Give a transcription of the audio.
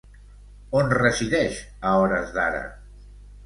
On resideix, a hores d'ara?